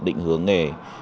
định hướng nghề